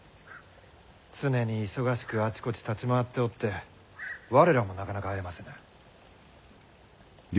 常に忙しくあちこち立ち回っておって我らもなかなか会えませぬ。